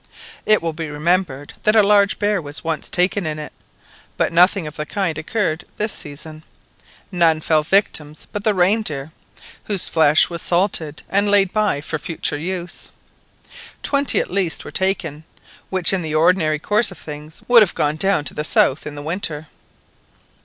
It will be remembered that a large bear was once taken in it; but nothing of the kind occurred this season—none fell victims but the reindeer, whose flesh was salted and laid by for future use. Twenty at least were taken, which in the ordinary course of things would have gone down to the south in the winter.